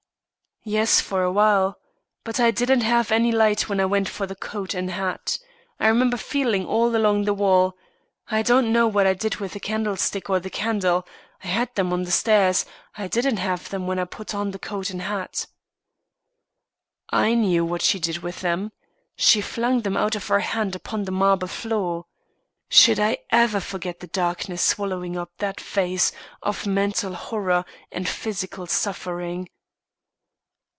"Yes, for a while. But I didn't have any light when I went for the coat and hat. I remember feeling all along the wall. I don't know what I did with the candlestick or the candle. I had them on the stairs; I didn't have them when I put on the coat and hat." I knew what she did with them. She flung them out of her hand upon the marble floor. Should I ever forget the darkness swallowing up that face of mental horror and physical suffering.